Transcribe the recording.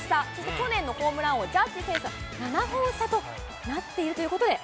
去年のホームラン王、ジャッジ選手と７本差となっているということで。